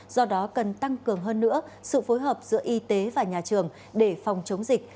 do đó cần tăng cường hơn nữa sự phối hợp giữa y tế và nhà trường để phòng chống dịch